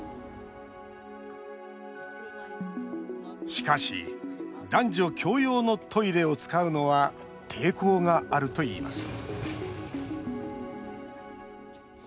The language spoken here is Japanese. しかし、男女共用のトイレを使うのは抵抗があるといいます